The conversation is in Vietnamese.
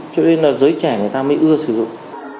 cho nên là giới trẻ người ta mới ưa sử dụng